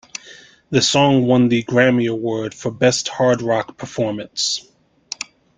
The song won the Grammy Award for Best Hard Rock Performance.